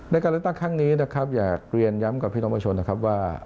ในการเลือกตั้งครั้งนี้นะครับอยากเรียนย้ำกับพี่น้องประชาชนนะครับว่า